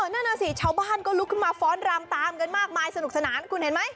นั่นน่ะสิชาวบ้านก็ลุกขึ้นมาฟ้อนรำตามกันมากมายสนุกสนานคุณเห็นไหม